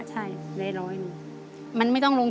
สวัสดีครับ